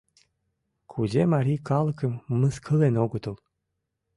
Кузе марий калыкым мыскылен огытыл?